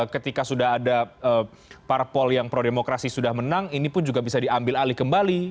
ketika sudah ada parpol yang pro demokrasi sudah menang ini pun juga bisa diambil alih kembali